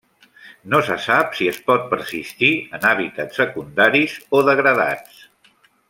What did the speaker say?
No se sap si es pot persistir en hàbitats secundaris o degradats.